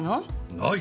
ない。